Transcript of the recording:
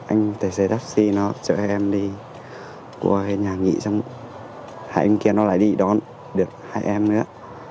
anh tài xế taxi nó chở em đi qua cái nhà nghị xong hai anh kia nó lại đi đón được hai em nữa